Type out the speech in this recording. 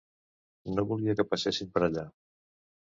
No volia que passessin per allà.